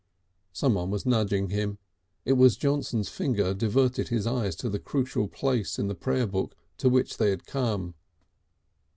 Someone was nudging him. It was Johnson's finger diverted his eyes to the crucial place in the prayer book to which they had come.